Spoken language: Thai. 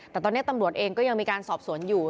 แต่ตอนนี้ตำรวจเองก็ยังมีการสอบสวนอยู่